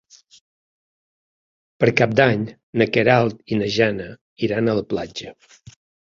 Per Cap d'Any na Queralt i na Jana iran a la platja.